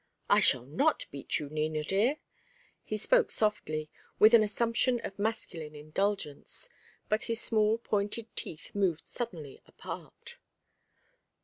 "I shall not beat you, Nina, dear." He spoke softly, with an assumption of masculine indulgence; but his small pointed teeth moved suddenly apart.